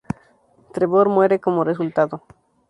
Trevor muere como resultado.